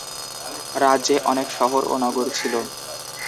রাজ্যে অনেক শহর ও নগর ছিল।